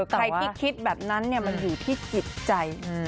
ใครที่คิดแบบนั้นมันอยู่ที่จิตใจ